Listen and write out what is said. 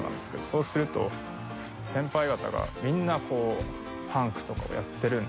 そうすると先輩方がみんなこうファンクとかをやってるんですね。